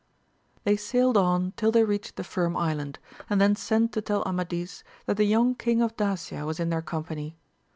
AMADIS OF GAUL. 279 They sailed on till they reached the Finn Island, and then sent to tell Amadis that the young King of Dacia was in their company.